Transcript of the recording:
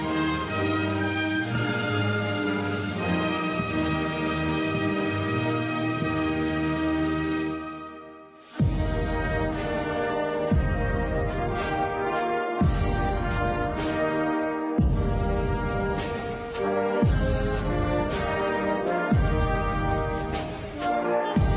สวัสดีครับสวัสดีครับ